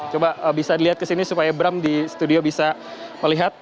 coba bisa dilihat kesini supaya bram di studio bisa melihat